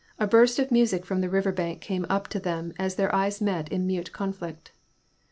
A burst of music from the river bank came up to them as their eyes met in mute conflict.